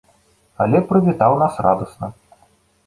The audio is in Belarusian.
Але прывітаў нас радасна.